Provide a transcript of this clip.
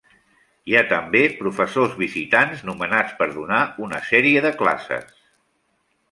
Hi ha també professors visitants nomenats per donar una sèrie de classes.